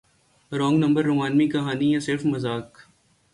wrong number رومانوی کہانی یا صرف مذاق